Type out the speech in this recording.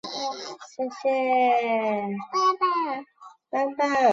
不具任何经济价值。